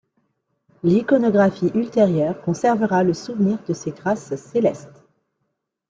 L'iconographie ultérieure conservera le souvenir de ces grâces célestes.